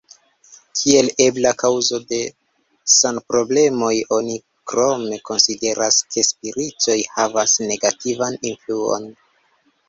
Kiel ebla kaŭzo de sanproblemoj oni krome konsideras ke spiritoj havas negativan influon.